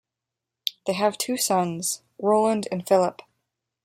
They have two sons, Roland and Philip.